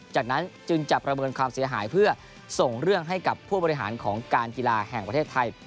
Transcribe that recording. จากนั้นจึงจะประเมินความเสียหายเพื่อส่งเรื่องให้กับผู้บริหารของการกีฬาแห่งประเทศไทย